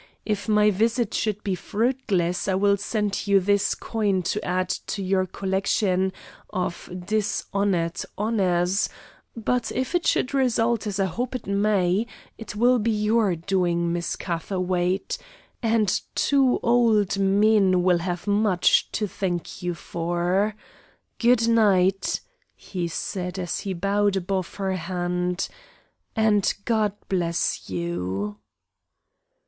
If my visit should be fruitless, I will send you this coin to add to your collection of dishonored honors, but if it should result as I hope it may, it will be your doing, Miss Catherwaight, and two old men will have much to thank you for. Good night," he said as he bowed above her hand, "and God bless you!"